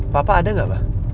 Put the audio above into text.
papa ada gak ma